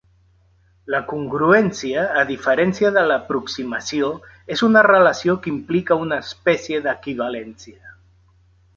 La congruència, a diferència de l'aproximació, és una relació que implica una espècie d'equivalència.